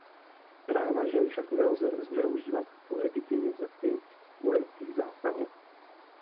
Práva žen však nelze zneužívat k legitimizaci vojenských zásahů.